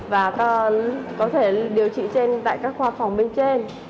và có thể điều trị trên tại các khoa phòng bên trên